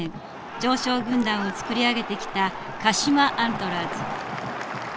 常勝軍団を作り上げてきた鹿島アントラーズ。